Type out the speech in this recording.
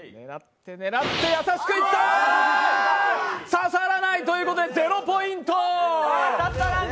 刺さらない！ということで０ポイント。